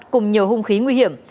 cùng nhiều hung khí nguy hiểm